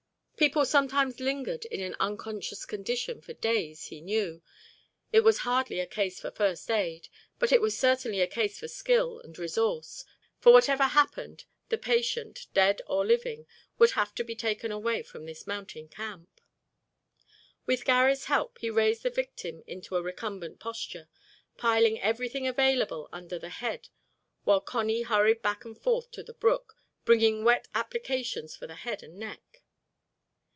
People sometimes lingered in an unconscious condition for days, he knew. It was hardly a case for first aid, but it was certainly a case for skill and resource, for whatever happened the patient, dead or living, would have to be taken away from this mountain camp. With Garry's help, he raised the victim into a recumbent posture, piling everything available under the head while Connie hurried back and forth to the brook, bringing wet applications for the head and neck.